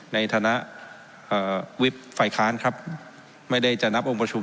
ในฐานะวิบฝ่ายค้านครับไม่ได้จะนับองค์ประชุม